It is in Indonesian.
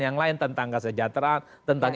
yang lain tentang kesejahteraan tentang